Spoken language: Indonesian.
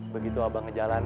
begitu abang ngejalanin rom